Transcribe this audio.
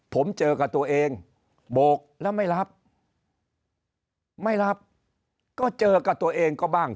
ผมเจอกับตัวเองโบกแล้วไม่รับไม่รับก็เจอกับตัวเองก็บ้าง